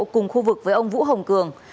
cùng khu vực với ông vũ hồng cường